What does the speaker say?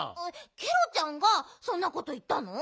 ケロちゃんがそんなこといったの？